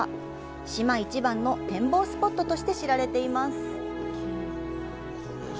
島一番の展望スポットとして知られています。